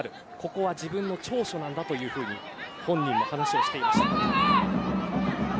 ここは自分の長所なんだと本人も話をしていました。